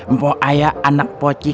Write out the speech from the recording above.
mpok ayah anak poci